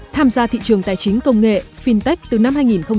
tham gia thị trường tài chính công nghệ fintech từ năm hai nghìn một mươi